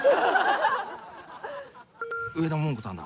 上田桃子さんだ。